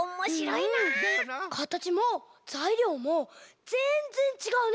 かたちもざいりょうもぜんぜんちがうね。